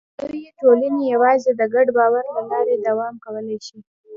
لویې ټولنې یواځې د ګډ باور له لارې دوام کولی شي.